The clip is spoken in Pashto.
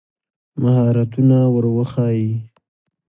مهارتونه ور وښایي.